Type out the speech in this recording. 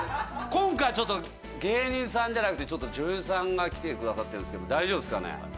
今回ちょっと芸人さんじゃなくて女優さんが来てくださってるんですけど大丈夫ですかね？